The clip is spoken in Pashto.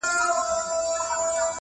پر نور څه انا نه سوم، پر خوشيو انا سوم.